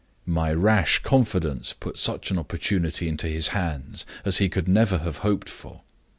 My rash confidence put such an opportunity into his hands as he could never have hoped for.